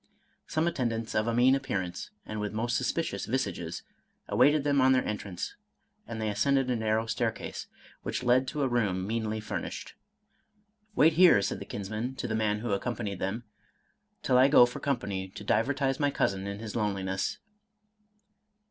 Some attendants of a mean appearance, and with most suspicious visages, awaited them on their entrance, and they ascended a nar row staircase, which led to a room meanly furnished. " Wait here," said the kinsman, to the man who accom panied them, " till I go for company to divertise my cousin in his loneliness."